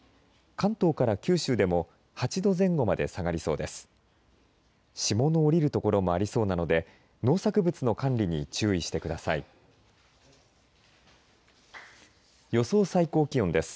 関東から九州でも８度前後まで下がりそうです。